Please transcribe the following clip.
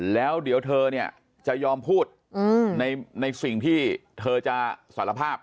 แล้วเดี๋ยวเธอเนี่ยจะยอมพูดในสิ่งที่เธอจะสารภาพ